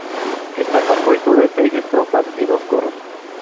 Está compuesto de seis estrofas y dos coros.